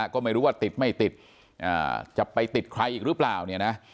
ก็ไม่รู้ว่าติดไม่ติดจะไปติดใครอีกหรือเปล่าเนี่ยนะ